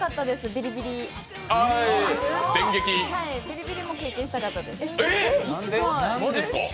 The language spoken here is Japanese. ビリビリも経験したかったです。